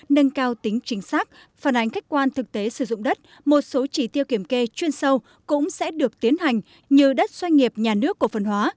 nâng cao tính chính xác phản ánh khách quan thực tế sử dụng đất một số chỉ tiêu kiểm kê chuyên sâu cũng sẽ được tiến hành như đất doanh nghiệp nhà nước cổ phần hóa